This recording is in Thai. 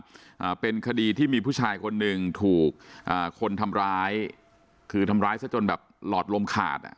อ่าเป็นคดีที่มีผู้ชายคนหนึ่งถูกอ่าคนทำร้ายคือทำร้ายซะจนแบบหลอดลมขาดอ่ะ